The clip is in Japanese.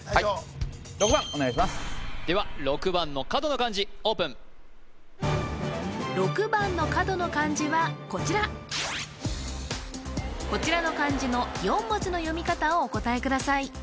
はいでは６番の角の漢字オープン６番の角の漢字はこちらこちらの漢字の４文字の読み方をお答えください